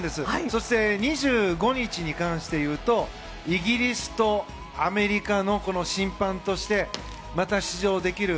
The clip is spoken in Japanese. そして、２５日に関していうとイギリスとアメリカの審判としてまた出場できる。